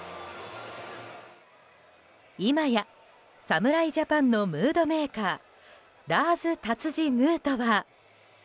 今や侍ジャパンのムードメーカーラーズ・タツジ・ヌートバー。